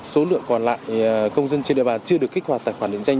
số lượng còn lại công dân trên địa bàn chưa được kích hoạt tài khoản định danh